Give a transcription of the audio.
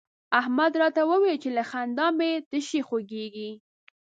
احمد راته وويل چې له خندا مې تشي خوږېږي.